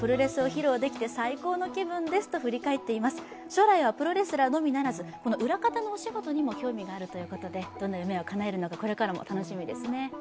将来はプロレスラーのみならず裏方のお仕事にも興味があるということで、どんな夢をかなえるのか、これからも楽しみですね。